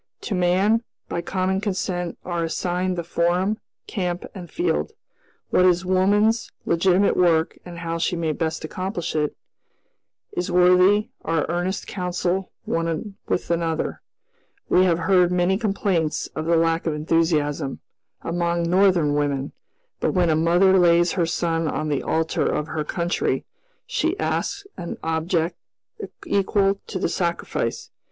To man, by common consent, are assigned the forum, camp, and field. What is woman's legitimate work and how she may best accomplish it, is worthy our earnest counsel one with another. We have heard many complaints of the lack of enthusiasm, among Northern women; but when a mother lays her son on the altar of her country, she asks an object equal to the sacrifice.